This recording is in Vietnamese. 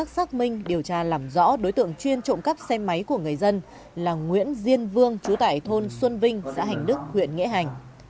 xác minh điều tra làm rõ đối tượng chuyên trộm cắp xe máy của người dân là nguyễn diên vương chú tại thôn xuân vinh xã hành đức huyện nghĩa hành